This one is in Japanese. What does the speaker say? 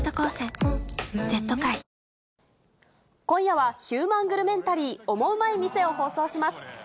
今夜はヒューマングルメンタリー、オモウマい店を放送します。